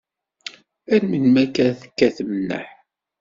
Ar melmi akka ara tekkatem nneḥ?